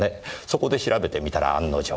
そこで調べてみたら案の定。